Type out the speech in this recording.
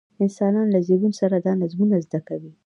انسانان له زېږون سره دا نظمونه زده کوي.